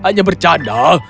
tidak hanya bercanda